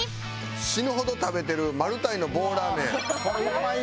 死ぬほど食べてるマルタイの棒ラーメン。